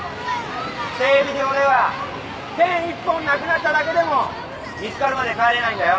整備場ではペン１本なくなっただけでも見つかるまで帰れないんだよ。